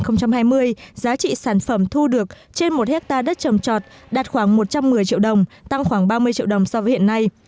năm hai nghìn hai mươi giá trị sản phẩm thu được trên một hectare đất trồng trọt đạt khoảng một trăm một mươi triệu đồng tăng khoảng ba mươi triệu đồng so với hiện nay